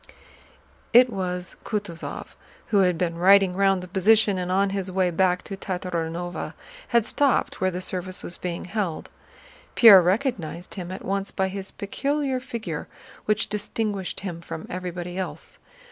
It was Kutúzov, who had been riding round the position and on his way back to Tatárinova had stopped where the service was being held. Pierre recognized him at once by his peculiar figure, which distinguished him from everybody else.